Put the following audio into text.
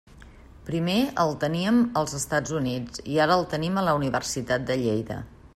Primer el teníem als Estats Units, i ara el tenim a la Universitat de Lleida.